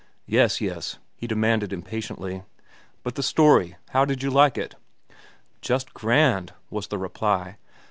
"Yes, yes," he demanded impatiently. "But the story—how did you like it?" "Just grand," was the reply.